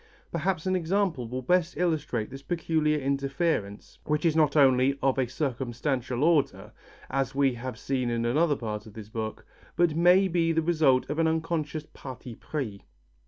Perhaps an example will best illustrate this peculiar interference, which is not only of a circumstantial order, as we have seen in another part of this book, but may be the result of an unconscious parti pris.